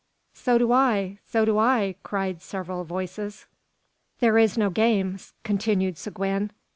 "So do I! So do I!" cried several voices. "There is no game," continued Seguin.